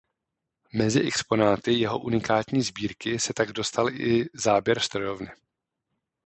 Mezi exponáty jeho unikátní sbírky se tak dostal i záběr strojovny.